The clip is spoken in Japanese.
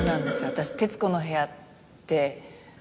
私『徹子の部屋』って。